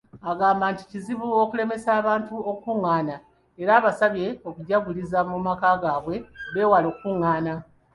Agamba nti kizibu okulemesa abantu okukungaana era abasabye okujaguliza mu maka gaabwe beewale okukungaana.